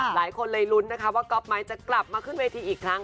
หลายคนเลยลุ้นนะคะว่าก๊อปไม้จะกลับมาขึ้นเวทีอีกครั้ง